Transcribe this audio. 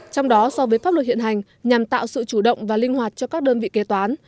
trong đó so với pháp luật hiện hành nhằm tạo sự chủ động và linh hoạt cho các đơn vị kế toán